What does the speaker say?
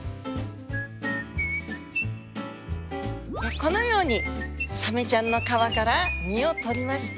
このようにサメちゃんの皮から身を取りまして。